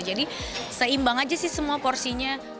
jadi seimbang aja sih semua porsinya